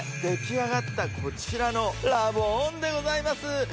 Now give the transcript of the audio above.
できあがったこちらのラボンでございます